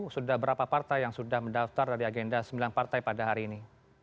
sudah berapa partai yang sudah mendaftar dari agenda sembilan partai pada hari ini